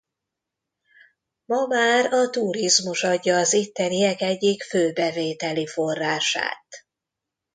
Ma már a turizmus adja az itteniek egyik fő bevételi forrását.